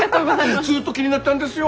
ずっと気になってだんですよ。